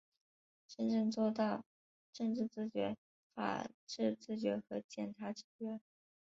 真正做到政治自觉、法治自觉和检察自觉